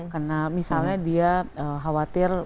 karena misalnya dia khawatir